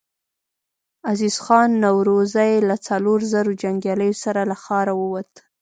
عزيز خان نورزی له څلورو زرو جنګياليو سره له ښاره ووت.